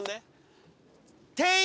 店員？